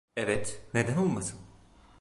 Evet, neden olmasın?